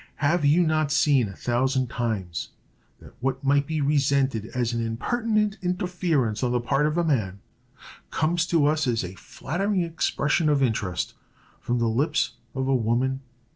Have you not seen, a thousand times, that what might be resented as an impertinent interference on the part of a man, comes to us as a flattering expression of interest from the lips of a woman?"